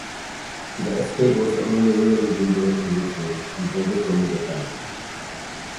The estate was the only "real" Bluebird in this range, imported from Japan.